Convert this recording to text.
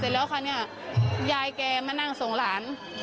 เสร็จแล้วครั้งเนี่ยยายแกมานั่งทรงหลาน